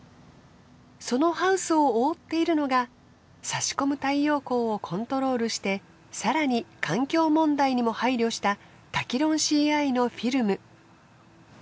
そのハウスを覆っているのが差し込む太陽光をコントロールして更に環境問題にも配慮したタキロンシーアイのフィルム。